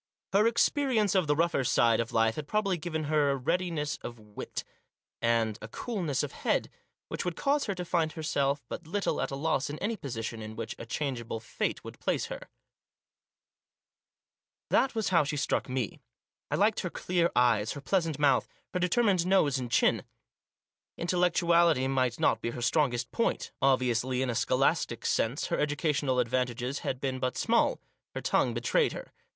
Her experience of the rougher side of life had probably given her a readiness of wit, and Digitized by 182 THE JOSS. a coolness of head, which would cause her to find herself but little at a loss in any position in which a changeable fate would place her. That was how she struck me. I liked her clear eyes, her pleasant mouth, her determined nose and chin. Intellectuality might not be her strongest point ; obviously, in a scholastic sense, her educational advantages had been but small. Her tongue betrayed her.